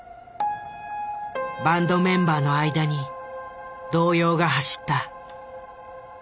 バンドメンバーの間に動揺が走った。